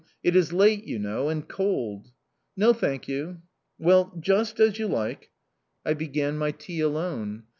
It is late, you know, and cold!" "No, thank you"... "Well, just as you like!" I began my tea alone.